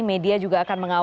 media juga akan mengawal